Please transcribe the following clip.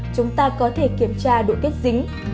chúng ta có thể kiểm tra độ kết dính